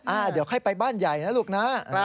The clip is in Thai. อ่าเดี๋ยวให้ไปบ้านใหญ่นะลูกนะ